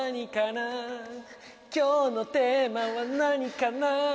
「今日のテーマは何かな」